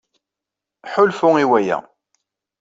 Ḥulfu i waya.